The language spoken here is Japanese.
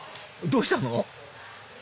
どうしたの？